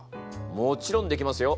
もちろんできますよ。